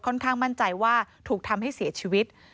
ข้างมั่นใจว่าถูกทำให้เสียชีวิต